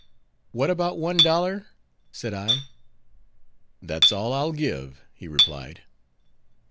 "What about one dollar?" said I. "That's all I'll give," he replied.